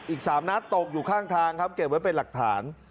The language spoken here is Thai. อีก๓นัดตกอยู่ข้างทางครับเก็บไว้เป็นหลักฐาน